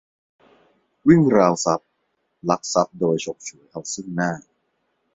- วิ่งราวทรัพย์ ลักทรัพย์โดย ฉกฉวยเอาซึ่งหน้า